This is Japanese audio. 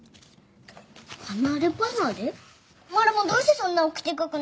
マルモどうしてそんなおきて書くの？